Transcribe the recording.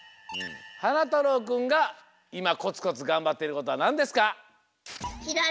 はなたろうくんがいまコツコツがんばってることはなんですか？